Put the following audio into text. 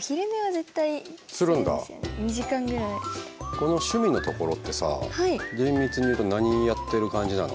この趣味のところってさ厳密に言うと何やってる感じなの？